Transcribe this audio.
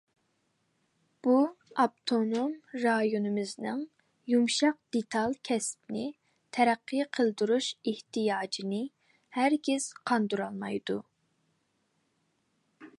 بۇ، ئاپتونوم رايونىمىزنىڭ يۇمشاق دېتال كەسپىنى تەرەققىي قىلدۇرۇش ئېھتىياجىنى ھەرگىز قاندۇرالمايدۇ.